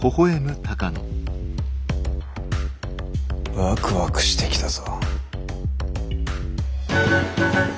ワクワクしてきたぞ。